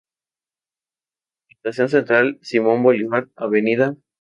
Estación Central Simón Bolívar, Av.